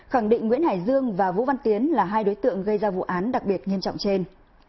khẳng định nguyễn hải dương và vũ văn tiến là hai đối tượng gây ra vụ án đặc biệt nghiêm trọng trên